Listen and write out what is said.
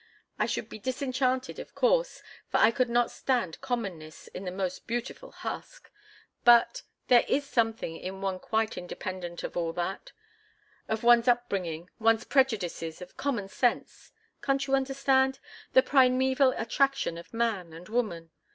I should be disenchanted, of course, for I could not stand commonness in the most beautiful husk. But—there is something in one quite independent of all that—of one's upbringing, one's prejudices, of common sense—can't you understand?—the primeval attraction of man and woman.